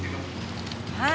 はい。